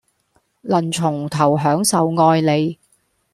能從頭享受愛你